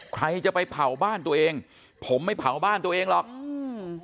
ใครจะไปเผาบ้านตัวเองผมไม่เผาบ้านตัวเองหรอกอืม